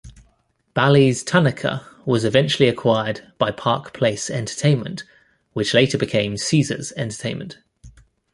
Bally's Tunica was eventually acquired by Park Place Entertainment which later became Caesars Entertainment.